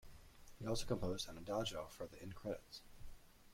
He also composed an adagio for the end credits.